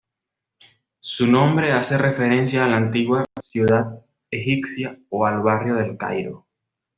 Su nombre hace referencia a la antigua ciudad egipcia o al barrio del Cairo.